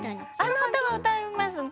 鼻歌は歌います。